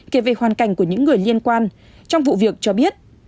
kể về hoàn cảnh của những người liên quan trong vụ việc cho biết